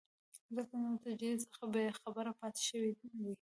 ځکه نو د نتیجې څخه بې خبره پاتې شوی وو.